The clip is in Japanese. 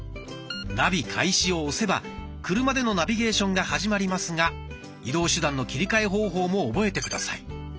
「ナビ開始」を押せば車でのナビゲーションが始まりますが移動手段の切り替え方法も覚えて下さい。